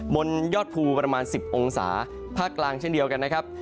บนยอดภูประมาณ๑๐องศาภาคกลางเช่นเดียวกันนะครับ